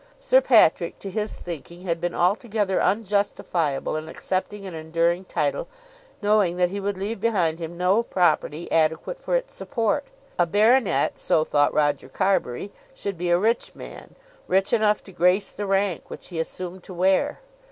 Sir Patrick, to his thinking, had been altogether unjustifiable in accepting an enduring title, knowing that he would leave behind him no property adequate for its support. A baronet, so thought Roger Carbury, should be a rich man, rich enough to grace the rank which he assumed to wear.